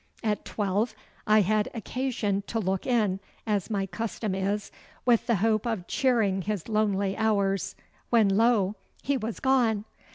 At twelve I had occasion to look in, as my custom is, with the hope of cheering his lonely hours, when lo, he was gone!